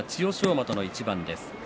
馬との一番です。